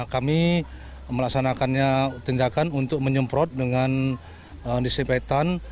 kami melaksanakannya tindakan untuk menyemprot dengan disinfektan